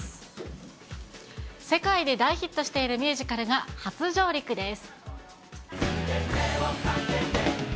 世界で大ヒットしているミュージカルが初上陸です。